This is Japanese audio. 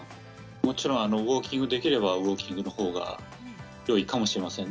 もちろんウォーキングできればウォーキングの方がよいかもしれませんね。